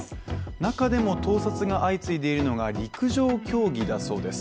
中でも盗撮が相次いでいるのが陸上競技だそうです。